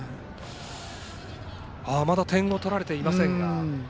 まだ点を取られていませんが。